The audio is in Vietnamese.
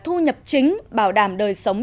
thu nhập chính bảo đảm đời sống